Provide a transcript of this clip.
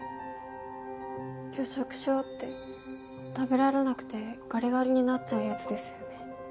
拒食症って食べられなくてガリガリになっちゃうやつですよね？